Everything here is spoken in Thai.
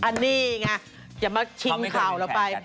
อันนี้ไงอย่ามาชิงข่าวเราไป